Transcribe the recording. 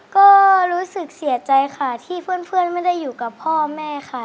ก็รู้สึกเสียใจค่ะที่เพื่อนไม่ได้อยู่กับพ่อแม่ค่ะ